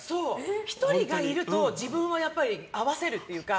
１人がいると自分は合わせるっていうか。